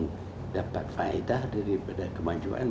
memiliki kefaedah daripada kemajuan